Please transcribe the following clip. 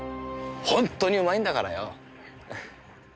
ほんとにうまいんだからよ！